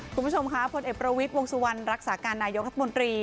คุณผู้ชมค่ะผลเอกประวิทย์วงสุวรรณรักษาการนายกรัฐมนตรี